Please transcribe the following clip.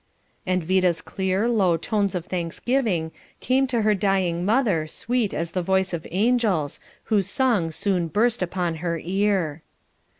And Vida's clear, low tones of thanksgiving came to her dying mother sweet as the voice of angels, whose song soon burst upon her ear.